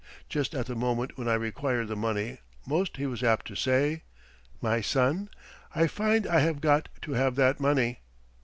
Just at the moment when I required the money most he was apt to say: "My son, I find I have got to have that money."